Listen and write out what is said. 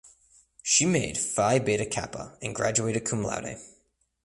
She made Phi Beta Kappa and graduated cum laude.